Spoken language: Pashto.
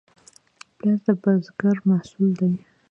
پیاز د بزګر محصول دی